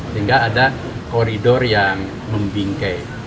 sehingga ada koridor yang membingkai